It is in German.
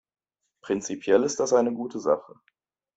Prinzipiell ist das eine gute Sache.